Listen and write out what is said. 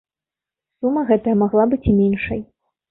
Сума гэтая магла быць і меншай.